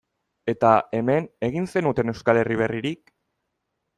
Eta, hemen, egin zenuten Euskal Herri berririk?